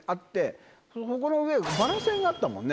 そこの上バラ線があったもんね。